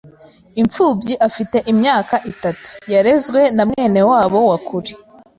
Imfubyi afite imyaka itatu, yarezwe na mwene wabo wa kure.